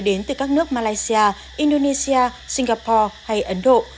đến từ các nước malaysia indonesia singapore hay ấn độ